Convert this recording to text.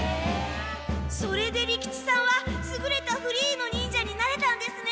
それで利吉さんはすぐれたフリーの忍者になれたんですね！